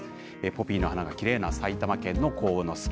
ポピーの花がきれいな、埼玉県の鴻巣。